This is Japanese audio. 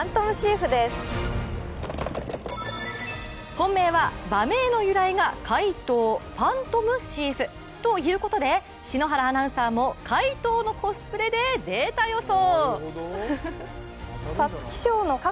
本命は、馬名の由来が怪盗ファントムシーフということで、篠原アナウンサーも怪盗のコスプレでデータ予想。